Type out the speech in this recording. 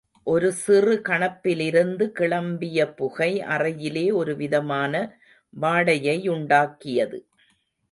ஒரு சிறு கணப்பிலிருந்து கிளம்பியபுகை அறையிலே ஒரு விதமான வாடையையுண்டாக்கியது.